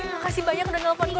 makasih banyak udah nelfon